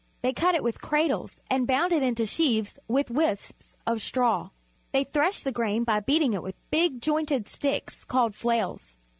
They cut it with "cradles" and bound it into sheaves with wisps of straw. They threshed the grain by beating it with big, jointed sticks called flails.